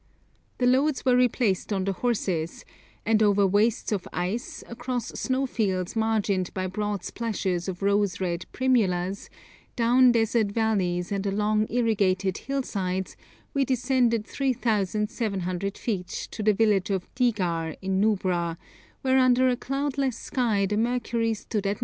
The loads were replaced on the horses, and over wastes of ice, across snowfields margined by broad splashes of rose red primulas, down desert valleys and along irrigated hillsides, we descended 3,700 feet to the village of Digar in Nubra, where under a cloudless sky the mercury stood at 90°!